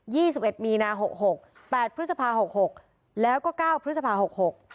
ี่สิบเอ็ดมีนาหกหกแปดพฤษภาหกหกแล้วก็เก้าพฤษภาหกหก